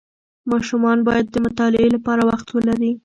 ماشومان باید د مطالعې لپاره وخت ولري.